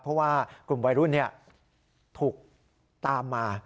เพราะว่ากลุ่มวัยรุ่นถูกตามมา